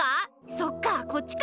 そっかこっちか。